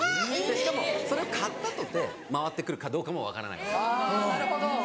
しかもそれを買ったとて回ってくるかどうかも分からない。